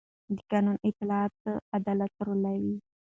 د قانون اطاعت عدالت راولي